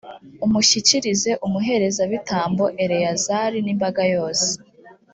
umushyikirize umuherezabitambo eleyazari n’imbaga yose.